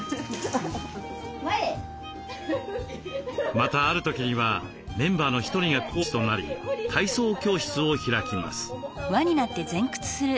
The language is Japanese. またある時にはメンバーの１人が講師となり体操教室を開きます。